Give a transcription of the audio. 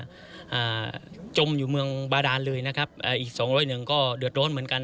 อ่าจมอยู่เมืองบาดานเลยนะครับอ่าอีกสองร้อยหนึ่งก็เดือดร้อนเหมือนกัน